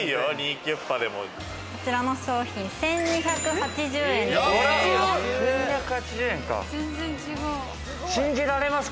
こちらの商品１２８０円です。